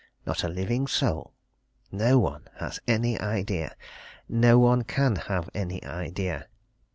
Not a living soul. No one has any idea! No one can have any idea.